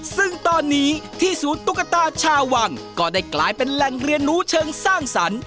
ซึ่งตอนนี้ที่ศูนย์ตุ๊กตาชาววังก็ได้กลายเป็นแหล่งเรียนรู้เชิงสร้างสรรค์